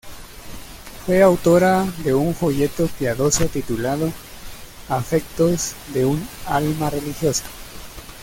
Fue autora de un folleto piadoso titulado "Afectos de un alma religiosa.